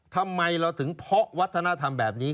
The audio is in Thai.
ทำไมเราถึงเพาะวัฒนธรรมแบบนี้